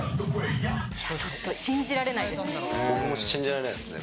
ちょっと信じられないですね。